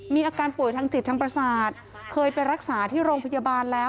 มีอาการป่วยทางจิตทางประสาทเคยไปรักษาที่โรงพยาบาลแล้ว